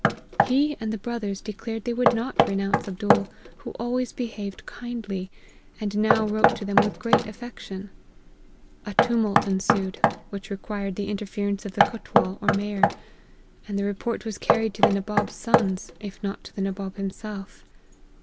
He and the brothers declared they would not renounce Abdool, who always behaved kindly, and now wrote to them with great affection. A tumult ensued, which required the interference of the cutwal, or mayor ; and the report was car ried to the Nabob's sons, if not to the Nabob him self.